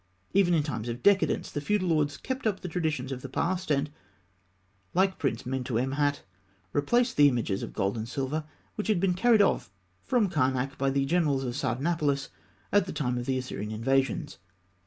Even in times of decadence, the feudal lords kept up the traditions of the past, and, like Prince Mentûemhat, replaced the images of gold and silver which had been carried off from Karnak by the generals of Sardanapalus at the time of the Assyrian invasions.